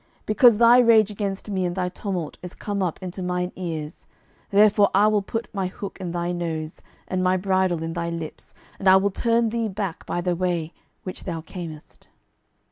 12:019:028 Because thy rage against me and thy tumult is come up into mine ears, therefore I will put my hook in thy nose, and my bridle in thy lips, and I will turn thee back by the way by which thou camest.